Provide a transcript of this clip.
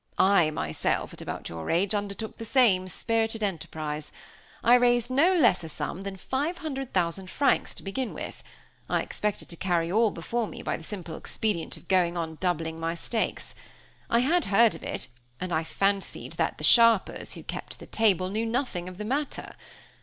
I, myself, at about your age, undertook the same spirited enterprise. I raised no less a sum than five hundred thousand francs to begin with; I expected to carry all before me by the simple expedient of going on doubling my stakes. I had heard of it, and I fancied that the sharpers, who kept the table, knew nothing of the matter.